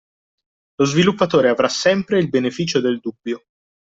Lo sviluppatore avrà sempre il beneficio del dubbio